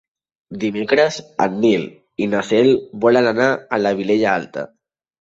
Dimecres en Nil i na Cel volen anar a la Vilella Alta.